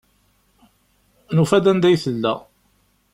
Nufa-d anda ay tella.